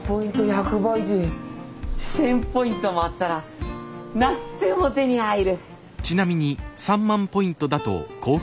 １，０００ポイントもあったら何でも手に入る。